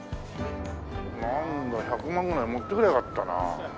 なんだ１００万ぐらい持ってくりゃよかったな。